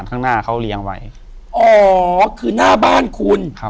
กุมารพายคือเหมือนกับว่าเขาจะมีอิทธิฤทธิ์ที่เยอะกว่ากุมารทองธรรมดา